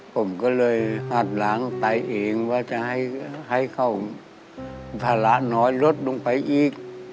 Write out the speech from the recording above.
ผมก็เลยอัดล้างไตเองว่าจะให้เขาภาระน้อยลดลงไปอีก